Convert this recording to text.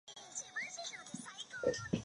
加冕礼通常在前一位君主去世数月后举行。